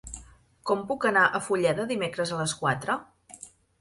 Com puc anar a Fulleda dimecres a les quatre?